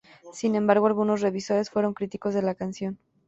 Sin embargo, algunos revisores fueron críticos de la canción.